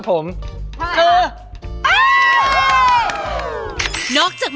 เสร็จแล้วค่ะ